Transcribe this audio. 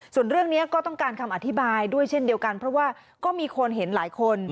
ส่วนเรื่องนี้ก็ต้องการคำอธิบายด้วยเช่นเดียวกันเพราะว่าก็มีคนเห็นหลายคน